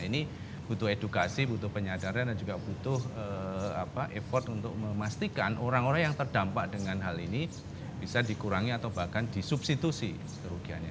ini butuh edukasi butuh penyadaran dan juga butuh effort untuk memastikan orang orang yang terdampak dengan hal ini bisa dikurangi atau bahkan disubstitusi kerugiannya